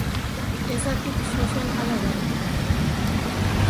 Ez dakit xuxen hala den.